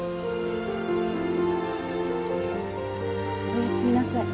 おやすみなさい。